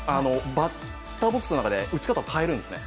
バッターボックスの中で打ち方を変えるんですね。